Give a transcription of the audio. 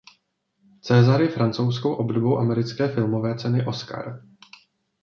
César je francouzskou obdobou americké filmové ceny Oscar.